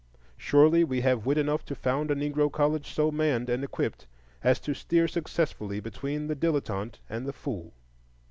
Surely we have wit enough to found a Negro college so manned and equipped as to steer successfully between the dilettante and the fool.